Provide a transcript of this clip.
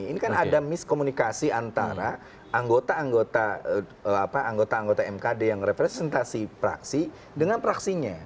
ini kan ada miskomunikasi antara anggota anggota mkd yang representasi praksi dengan praksinya